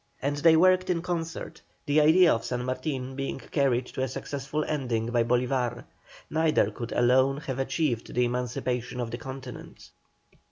And they worked in concert, the idea of San Martin being carried to a successful ending by Bolívar. Neither could alone have achieved the emancipation of the Continent.